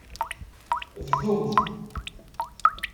Bdumt.